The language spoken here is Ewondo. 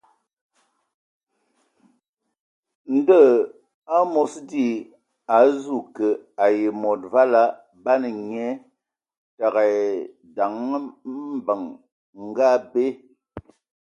Ndɔ hm, amos di, a azu kə ai mod vala, ban nye təgə daŋ mbəŋ ngə abe.